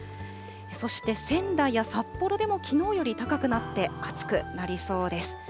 そして仙台や札幌でもきのうより高くなって、暑くなりそうです。